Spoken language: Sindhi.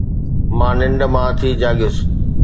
مان ننڊ مان ئي جاڳيس